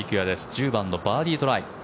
１０番のバーディートライ。